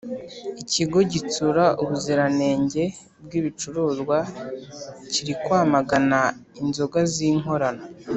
Ikigo gitsura ubuziranenge bwibicuruzwa kirikwamagana inzoga zinkorano